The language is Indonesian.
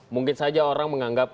mungkin saja orang menganggap